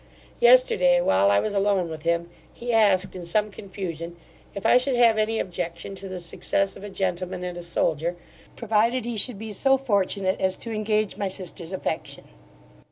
Yesterday, while I was alone with him he asked, in some confusion, if I should have any objection to the success of a gentleman and a soldier, provided he should be so fortunate as to engage my sister's affection.